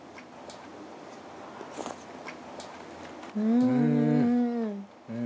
うん。